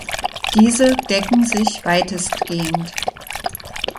Diese decken sich weitestgehend.